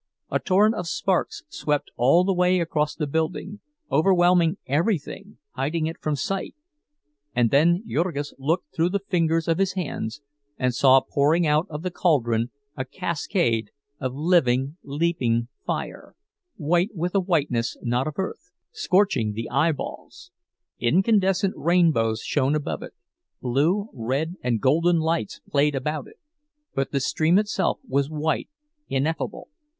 A torrent of sparks swept all the way across the building, overwhelming everything, hiding it from sight; and then Jurgis looked through the fingers of his hands, and saw pouring out of the caldron a cascade of living, leaping fire, white with a whiteness not of earth, scorching the eyeballs. Incandescent rainbows shone above it, blue, red, and golden lights played about it; but the stream itself was white, ineffable.